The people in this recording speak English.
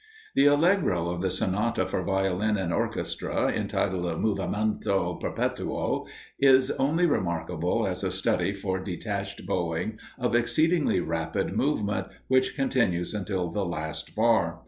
The allegro of the sonata for Violin and orchestra, entitled "Movimento perpetuo," is only remarkable as a study for detached bowing of exceedingly rapid movement, which continues until the last bar.